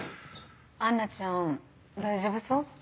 アンナちゃん大丈夫そう？